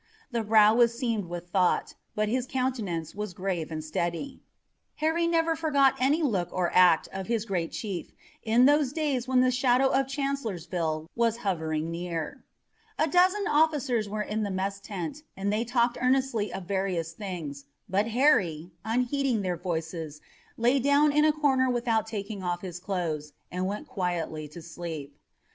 The brow was seamed with thought, but his countenance was grave and steady. Harry never forgot any look or act of his great chief in those days when the shadow of Chancellorsville was hovering near. A dozen officers were in the mess tent, and they talked earnestly of various things, but Harry, unheeding their voices, lay down in a corner without taking off his clothes and went quietly to sleep.